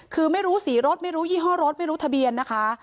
คือไม่รู้สีรถไม่รู้ยี่ห้อรถไม่รู้ทะเบียนนะคะ